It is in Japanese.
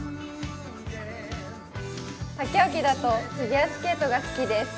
他競技だとフィギュアスケートが好きです。